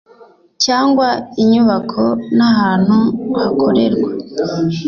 cyangwa inyubako n ahantu hakorerwa